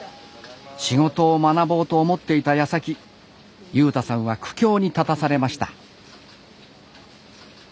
仕事を学ぼうと思っていたやさき優太さんは苦境に立たされました。